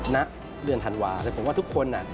ณเดือนธันวาแต่ผมว่าทุกคน